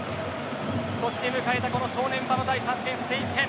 そして迎えた正念場の第３戦、スペイン戦。